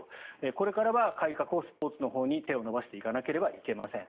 これからは改革をスポーツのほうに手を伸ばしていかなければいけません